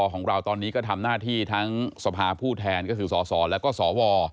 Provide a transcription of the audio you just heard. ของเราตอนนี้ก็ทำหน้าที่ทั้งสภาผู้แทนก็คือสสแล้วก็สว